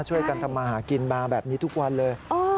ช่วยกันทำมาหากินมาแบบนี้ทุกวันเลย